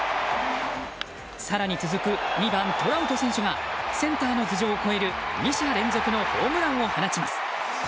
更に、続く２番トラウト選手がセンターの頭上を越える２者連続のホームランを放ちます。